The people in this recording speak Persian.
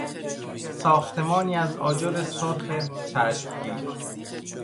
ساختمانی از آجر سرخ چشمگیر